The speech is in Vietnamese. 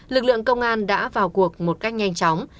lực lượng công an đã vào cuộc một cách nhanh chóng